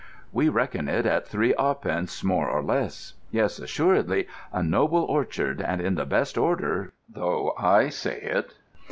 "We reckon it at three arpents, more or less. Yes, assuredly—a noble orchard, and in the best order, though I say it."